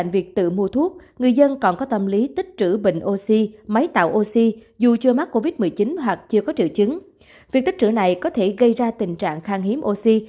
việc tích trữ này có thể gây ra tình trạng khang hiếm oxy